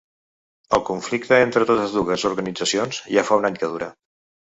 El conflicte entre totes dues organitzacions ja fa un any que dura.